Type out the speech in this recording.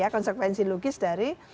konsekuensi logis dari